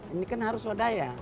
ini kan harus swadaya